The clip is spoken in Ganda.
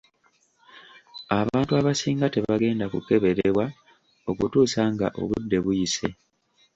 Abantu abasinga tebagenda kukeberebwa okutuusa nga obudde buyise.